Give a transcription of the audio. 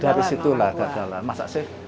dari situlah kegagalan masak sih